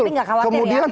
tapi gak khawatir ya